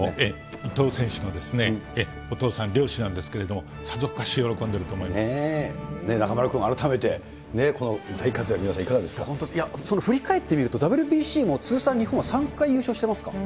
伊藤選手のお父さん、漁師なんですけれども、さぞかし喜んでると中丸君、改めてこの大活躍、いや、振り返ってみると、ＷＢＣも通算、日本は３回優勝してますから。